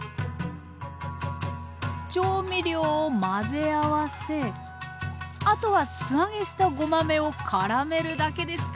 調味料を混ぜ合わせあとは素揚げしたごまめを絡めるだけですか。